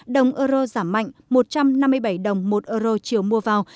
đồng euro giảm mạnh một trăm năm mươi bảy đồng một euro chiều mua vào